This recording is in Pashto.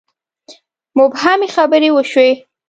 مبهمې خبرې وشوې.